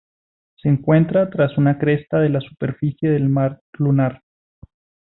Se encuentra tras una cresta de la superficie del mar lunar.